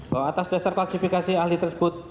bahwa atas dasar klasifikasi ahli tersebut